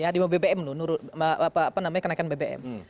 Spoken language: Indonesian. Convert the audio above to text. demo bbm loh penampilkan bbm